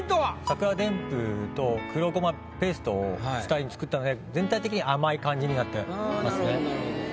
桜でんぶと黒ごまペーストを主体に作ったので全体的に甘い感じになってますね。